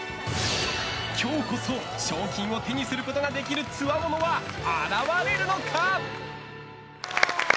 今日こそ賞金を手にすることができるつわものは現れるのか？